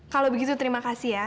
kalau begitu terima kasih ya